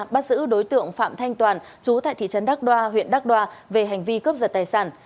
bắt giữ đối tượng phạm thanh toàn chú tại thị trấn đắc đoa huyện đắk đoa về hành vi cướp giật tài sản